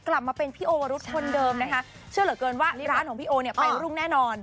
กลับมาเป็นพี่โอวรุษคนเดิมนะคะเชื่อเหลือเกินว่าร้านของพี่โอเนี่ยไปรุ่งแน่นอน